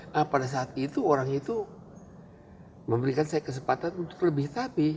nah pada saat itu orang itu memberikan saya kesempatan untuk lebih tapi